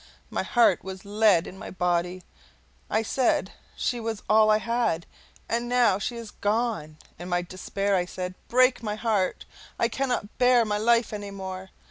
My heart was lead in my body! I said, "She was all I had, and now she is gone!" In my despair I said, "Break, my heart; I cannot bear my life any more!"